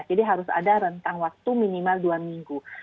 jadi harus ada rentang waktu minimal dua minggu